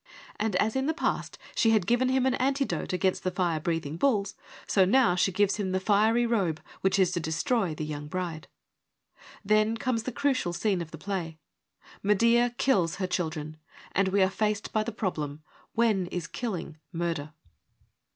And as in the past she had given him an antidote against the fire breathing bulls, so now she gives him the fiery robe which is to destroy the young bride. Then comes the crucial scene of the play : Medea THE FOUR FEMINIST PLAYS 125 kills her children and we are faced by the problem — when is killing murder